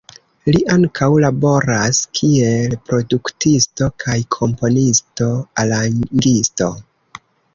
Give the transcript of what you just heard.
Li ankaŭ laboras kiel produktisto kaj komponisto-arangisto.